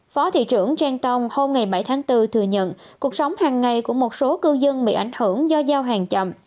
phó thị trưởng genton hôm bảy tháng bốn thừa nhận cuộc sống hàng ngày của một số cư dân bị ảnh hưởng do giao hàng chậm